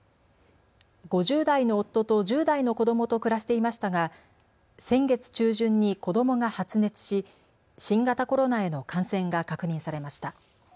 ５０代の夫と１０代の子どもと暮らしていましたが先月中旬に子どもが発熱し、新型コロナへの感染が確認されました。